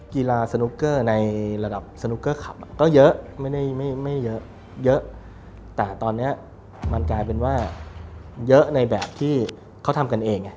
กีฬาสนุกเกอร์ในระดับสนุกเกอร์ขับก็เยอะไม่ได้ไม่เยอะเยอะแต่ตอนนี้มันกลายเป็นว่าเยอะในแบบที่เขาทำกันเอง